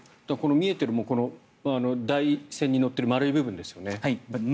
見えてる台船に乗ってる丸い部分ですよね。